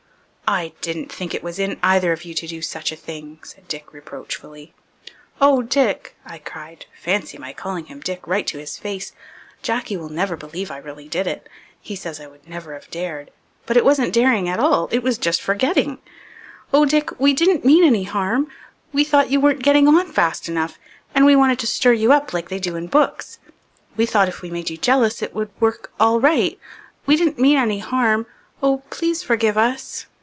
"I didn't think it was in either of you to do such a thing," said Dick reproachfully. "Oh, Dick," I cried fancy my calling him Dick right to his face! Jacky will never believe I really did it. He says I would never have dared. But it wasn't daring at all, it was just forgetting. "Oh, Dick, we didn't mean any harm. We thought you weren't getting on fast enough and we wanted to stir you up like they do in books. We thought if we made you jealous it would work all right. We didn't mean any harm. Oh, please forgive us!"